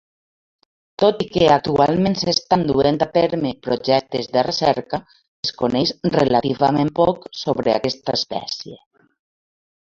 Tot i que actualment s'estan duent a terme projectes de recerca, es coneix relativament poc sobre aquesta espècie.